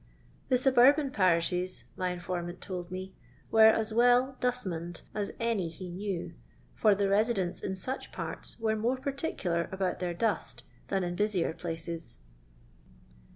The suburban parishes, my informant told mOy were as well "dustmaned" as any he knew; for the residents in such parts were more particular about their dust than in busier places.